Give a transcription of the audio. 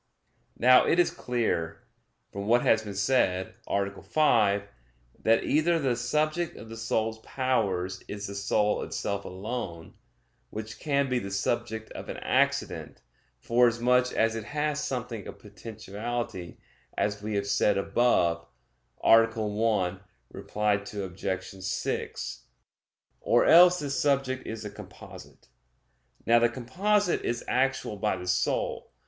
Now it is clear, from what has been said (A. 5), that either the subject of the soul's powers is the soul itself alone, which can be the subject of an accident, forasmuch as it has something of potentiality, as we have said above (A. 1, ad 6); or else this subject is the composite. Now the composite is actual by the soul.